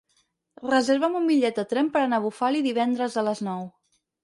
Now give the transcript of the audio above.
Reserva'm un bitllet de tren per anar a Bufali divendres a les nou.